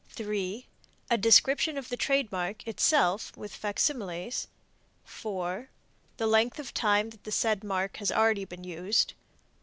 3. A description of the trademark itself with facsimiles. 4. The length of time that the said mark has already been used.